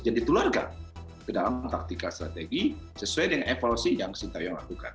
dan ditularkan ke dalam taktikal strategi sesuai dengan evolusi yang sintayo lakukan